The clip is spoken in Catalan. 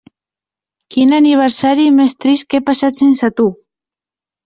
Quin aniversari més trist que he passat sense tu.